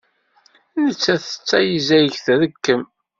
Nettat tettayzag, trekkem.